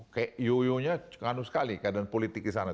kayak yoyo nya kanu sekali keadaan politik di sana